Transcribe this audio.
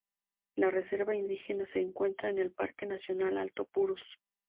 La reserva indígena se encuentra en el Parque nacional Alto Purús.